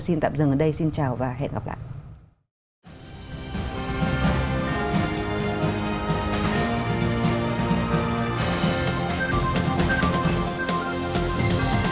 xin tạm dừng ở đây xin chào và hẹn gặp lại